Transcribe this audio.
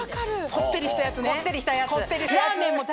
こってりしたやつ。